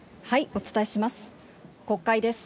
お伝えします。